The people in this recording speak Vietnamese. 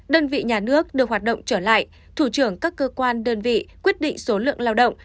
đơn vị nhà nước được hoạt động trở lại thủ trưởng các cơ quan đơn vị quyết định số lượng lao động